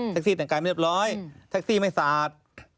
ซี่แต่งกายไม่เรียบร้อยแท็กซี่ไม่สาด